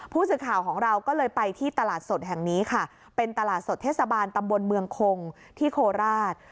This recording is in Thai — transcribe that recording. ผู้สื่อข่าวของเราก็เลยไปที่ตลาดสดแห่งนี้ค่ะเป็นตลาดสดเทศบาลตำบลเมืองคงที่โคราช